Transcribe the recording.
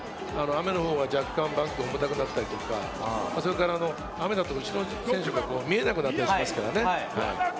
比較的、雨のほうが若干バンクが重たくなったり、雨だと後ろの選手も見えなくなったりしますからね。